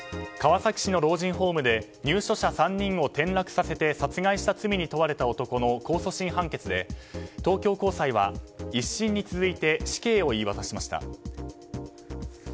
川崎市の老人ホームで入所者３人を転落させて殺害の罪に問われた男の控訴審判決で、東京高裁は１審に続いて死刑を言い渡しました。